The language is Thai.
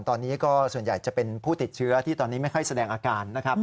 ตอนนี้ก็ส่วนใหญ่จะเป็นผู้ติดเชื้อที่ตอนนี้ไม่ค่อยแสดงอาการนะครับ